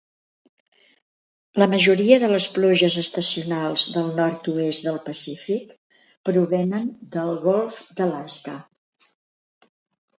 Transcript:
La majoria de les pluges estacionals del Nord-oest del Pacífic provenen del golf d'Alaska.